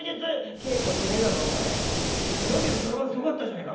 「稽古してねえだろお前読み書きそろばんすごかったじゃねえか。